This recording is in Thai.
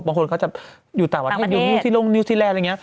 บางคนเขาจะอยู่ต่างประเทศอยู่ที่โรงนิวสินแรมอะไรอย่างเงี้ย